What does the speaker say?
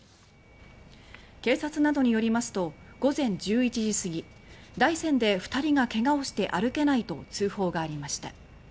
警察などによりますと午前１１時過ぎ大山で２人が怪我をして歩けないと通報がありました。